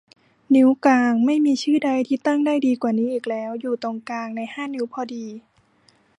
นิ้วกลาง ไม่มีชื่อใดที่ตั้งได้ดีกว่านี้อีกแล้ว อยู่ตรงกลางในห้านิ้วพอดี